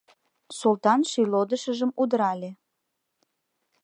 — Султан шӱйлодышыжым удырале.